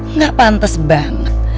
nggak pantes banget